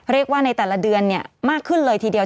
เรียกว่าในแต่ละเดือนมากขึ้นเลยทีเดียว